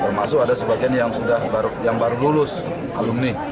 termasuk ada sebagian yang baru lulus alumni